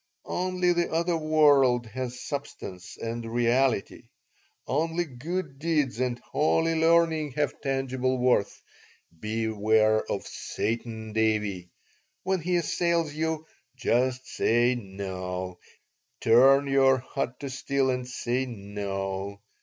Only the other world has substance and reality; only good deeds and holy learning have tangible worth. Beware of Satan, Davie. When he assails you, just say no; turn your heart to steel and say no.